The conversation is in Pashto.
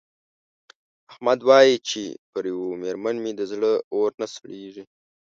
احمد وايې چې پر یوه مېرمن مې د زړه اور نه سړېږي.